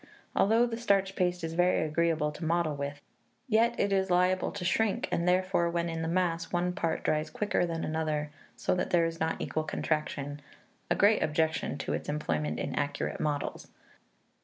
Although the starch paste is very agreeable to model with, yet it is liable to shrink, and therefore, when in the mass, one part dries quicker than another, so that there is not equal contraction a great objection to its employment in accurate models.